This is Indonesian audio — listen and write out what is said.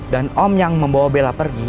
dan om yang membawa bella pergi